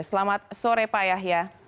selamat sore pak yahya